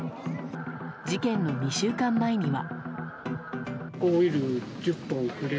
事件の２週間前には。